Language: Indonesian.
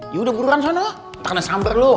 ya udah buruan sana entah kena samper lo